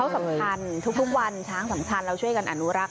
สำคัญทุกวันช้างสำคัญเราช่วยกันอนุรักษ